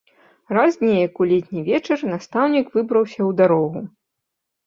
Раз неяк у летні вечар настаўнік выбраўся ў дарогу.